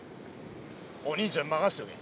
お兄ちゃんに任しとけ。